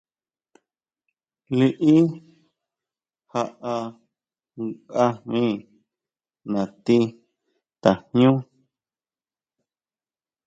Liʼí jaʼa nkʼa jmí nati tajñúya.